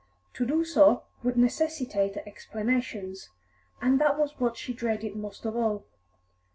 To do so would necessitate explanations, and that was what she dreaded most of all.